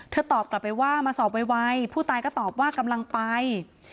ตอบกลับไปว่ามาสอบไวผู้ตายก็ตอบว่ากำลังไป